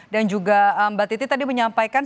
dan juga mbak titi tadi menyampaikan